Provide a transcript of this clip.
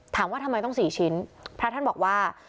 ถามว่าทำไมต้อง๔ชิ้นพระท่านบอกว่า